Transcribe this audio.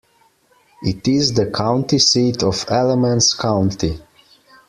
It is the county seat of Alamance County.